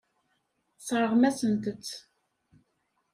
Tesseṛɣem-asent-t.